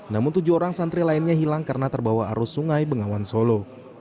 namun tujuh orang santri lainnya hilang karena terbawa arus sungai bengawan solo